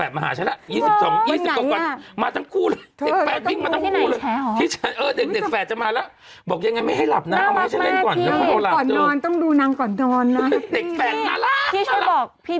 บีมดูดี